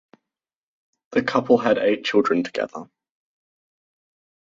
The couple had eight children together.